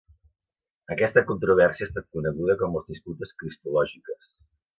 Aquesta controvèrsia ha estat coneguda com les disputes cristològiques.